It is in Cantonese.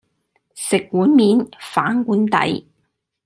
食碗面，反碗底